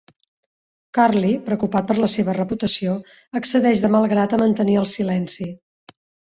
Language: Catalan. Curley, preocupat per la seva reputació, accedeix de mal grat a mantenir el silenci.